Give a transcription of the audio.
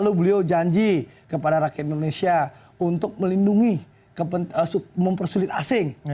dia menjanji kepada rakyat indonesia untuk melindungi mempersulit asing